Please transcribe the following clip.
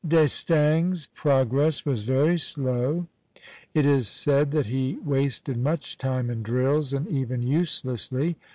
D'Estaing's progress was very slow. It is said that he wasted much time in drills, and even uselessly.